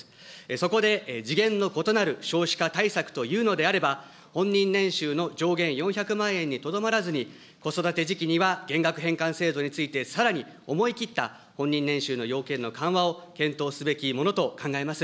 そこで次元の異なる少子化対策というのであれば、本人年収の上限４００万円にとどまらずに、子育て時期には減額返還制度についてさらに思い切った本人年収の要件の緩和を検討すべきものと考えます。